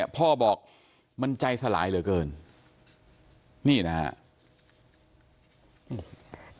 พ่อบอกมันใจสลายเหลือเกินนี่นะครับ